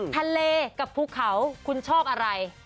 ทะเลกับภูเขาคุณชอบอะไร